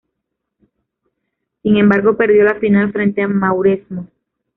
Sin embargo, perdió la final frente a Mauresmo.